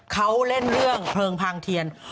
เขาเล่นเรื่องเพลิงพางเทียน